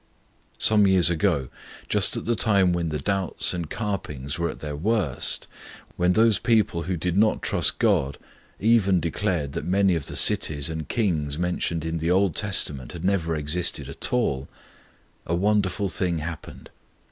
Some years ago, just at the time when the doubts and carpings were at their worst, when those people who did not trust God even declared that many of the cities and kings mentioned in the Old Testament had never existed at all, a wonderful thing happened.